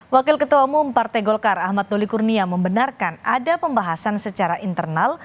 wakil ketua umum partai golkar ahmad doli kurnia membenarkan ada pembahasan secara internal